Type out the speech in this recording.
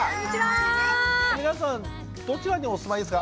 皆さんどちらにお住まいですか？